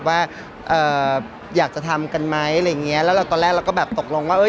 ว่าอยากจะทำกันไหมอะไรอย่างเงี้ยแล้วเราตอนแรกเราก็แบบตกลงว่าเอ้